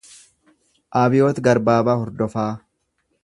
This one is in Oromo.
Abiyoot Garbaabaa Hordofaa